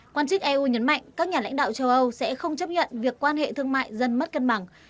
quan chức eu nhấn mạnh các nhà lãnh đạo châu âu sẽ không chấp nhận việc quan hệ thương mại dần mất cân bằng